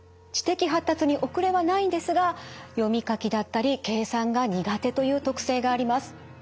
知的発達に遅れはないんですが読み書きだったり計算が苦手という特性があります。